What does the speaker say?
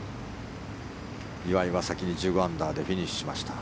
岩井は先に１５アンダーでフィニッシュしました。